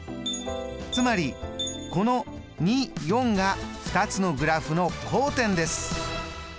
つまりこのが２つのグラフの交点です。